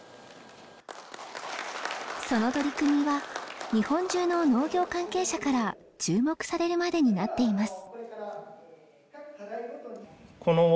その取り組みは日本中の農業関係者から注目されるまでになっています。